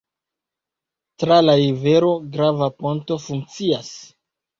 Tra la rivero grava ponto funkcias.